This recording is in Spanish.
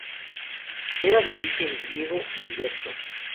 Era de origen griego y liberto.